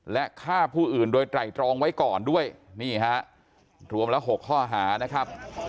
และฆ่าผู้อื่นโดยไตรตรองไว้ก่อนด้วยนี่ฮะรวมละ๖ข้อหานะครับ